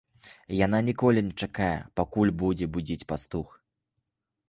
Яна ніколі не чакае, пакуль будзе будзіць пастух.